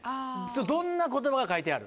どんな言葉が書いてある？